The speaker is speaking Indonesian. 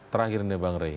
terakhir nih bang rey